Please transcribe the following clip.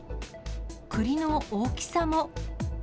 栗の大きさも。